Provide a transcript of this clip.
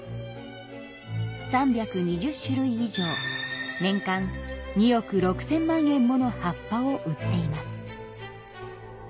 ３２０種類以上年間２億６千万円もの葉っぱを売っています。